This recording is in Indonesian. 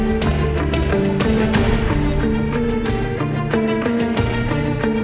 rasanya kan gue taruh disini